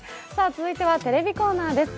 続いてはテレビコーナーです。